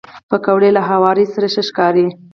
پکورې له هوار سره ښه ښکاري